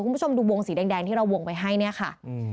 คุณผู้ชมดูวงสีแดงที่เราวงไว้ให้เนี่ยค่ะ